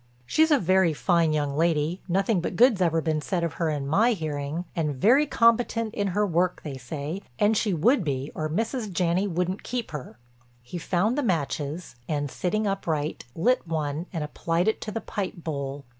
"She's a very fine young lady; nothing but good's ever been said of her in my hearing. And very competent in her work—they say—and she would be, or Mrs. Janney wouldn't keep her." He found the matches and, sitting upright, lit one and applied it to the pipe bowl.